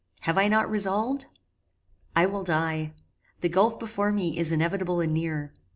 Have I not resolved? I will die. The gulph before me is inevitable and near.